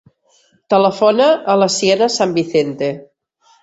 Telefona a la Siena San Vicente.